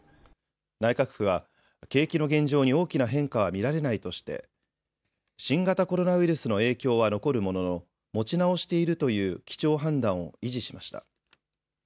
内閣府は景気の現状に大きな変化は見られないとして新型コロナウイルスの影響は残るものの持ち直しているという基調判断を維持しました。